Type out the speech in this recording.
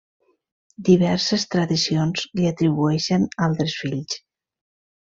Diverses tradicions li atribueixen altres fills.